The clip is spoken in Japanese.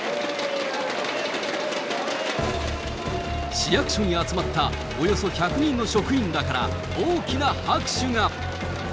市役所に集まったおよそ１００人の職員らから大きな拍手が。